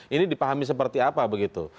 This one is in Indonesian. ini dipahami seperti apa begitu